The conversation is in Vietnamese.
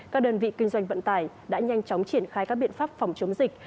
các đơn vị kinh doanh vận tải đã nhanh chóng triển khai các biện pháp phòng chống dịch